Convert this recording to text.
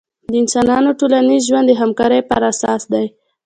د انسانانو ټولنیز ژوند د همکارۍ پراساس دی.